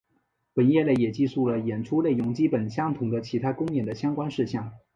本页内也记述了演出内容基本相同的其他公演的相关事项。